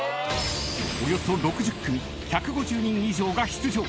［およそ６０組１５０人以上が出場］